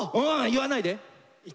言わないで。